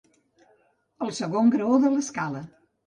El segon graó de l'escala.